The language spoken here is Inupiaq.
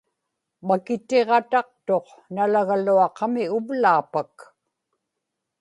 makitiġataqtuq nalagaluaqami uvlaapak